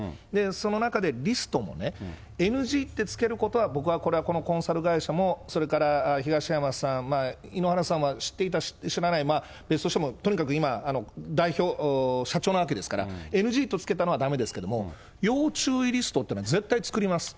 その中でリストもね、ＮＧって付けることは、僕はこれはこのコンサル会社も、それから東山さん、井ノ原さんは知っていた知らない、別としても、とにかく今、代表、社長なわけですから、ＮＧと付けたのはだめですけど、要注意リストってのは絶対作ります。